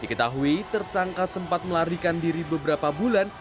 diketahui tersangka sempat melarikan diri beberapa bulan